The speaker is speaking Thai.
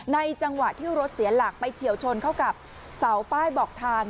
จังหวะที่รถเสียหลักไปเฉียวชนเข้ากับเสาป้ายบอกทาง